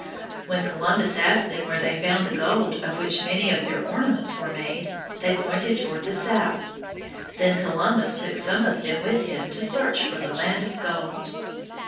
When Columbus asked them where they found the gold of which many of their ornaments were made, they pointed toward the south. Then Columbus took some of them with him to search for the land of gold.